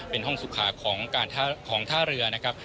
เป็นห้องสุขาของท่าเรือนะครับ